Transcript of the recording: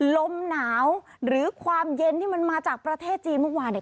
ลมหนาวหรือความเย็นที่มันมาจากประเทศจีนเมื่อวานเนี่ย